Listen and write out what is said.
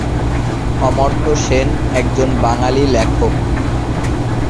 অমর্ত্য সেন একজন বাঙালি লেখক।